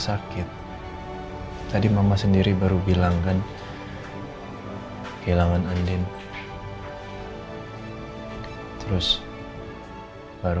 aku jadi sedih kayak gini sih